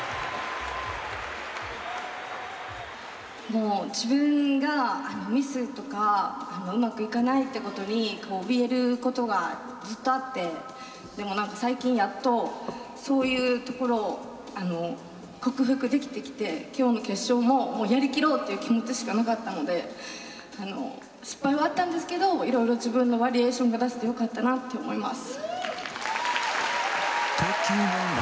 もう自分がミスとかうまくいかないってことにおびえることがずっとあってでも何か最近やっとそういうところを克服できてきて今日の決勝もやりきろうという気持ちしかなかったのであの失敗はあったんですけどいろいろ自分のバリエーションが出せてよかったなって思います。